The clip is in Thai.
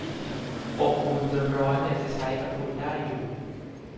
อบอุ่นจนร้อนยังจะใช้กับคุณได้อยู่